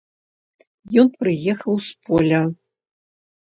Ён прыехаў з поля.